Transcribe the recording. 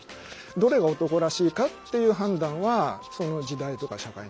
どれが男らしいかっていう判断はその時代とか社会によって変わる。